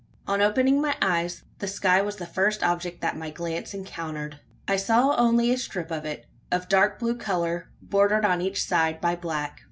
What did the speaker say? On opening my eyes, the sky was the first object that my glance encountered. I saw only a strip of it, of dark blue colour, bordered on each side by black.